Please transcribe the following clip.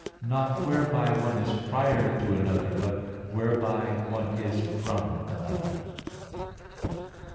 iv): "Not whereby one is prior to another, but whereby one is from another."